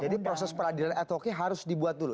jadi proses pengadilan ad hocnya harus dibuat dulu